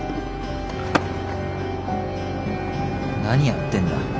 何やってんだ。